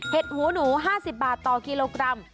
หูหนู๕๐บาทต่อกิโลกรัม